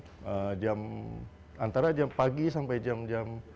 jadi jam antara jam pagi sampai jam petang